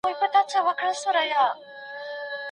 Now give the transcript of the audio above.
په لاس لیکل د ټولني د پرمختګ څرخ ګرځوي.